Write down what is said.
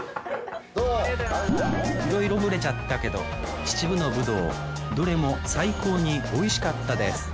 いろいろブレちゃったけど秩父のぶどうどれも最高においしかったです